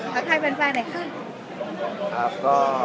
และใครเป็นแฟนไหนคะ